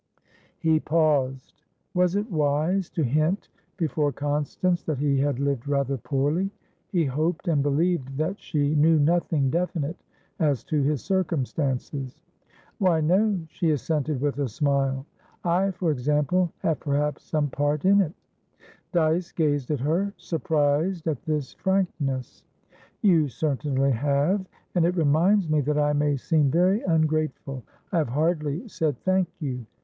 He paused. Was it wise to hint before Constance that he had lived rather poorly? He hoped, and believed, that she knew nothing definite as to his circumstances. "Why, no," she assented, with a smile. "I, for example, have perhaps some part in it." Dyce gazed at her, surprised at this frankness. "You certainly have. And it reminds me that I may seem very ungrateful; I have hardly said 'thank you.'